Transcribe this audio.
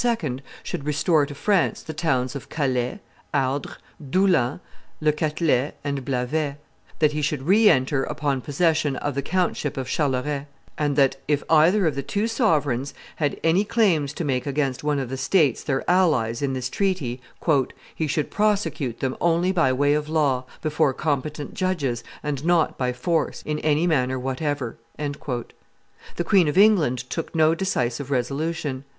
should restore to France the towns of Calais, Ardres, Doullens, Le Catelet, and Blavet; that he should re enter upon possession of the countship of Charolais; and that, if either of the two sovereigns had any claims to make against one of the states their allies in this treaty, "he should prosecute them only by way of law, before competent judges, and not by force, in any manner whatever." The Queen of England took no decisive resolution.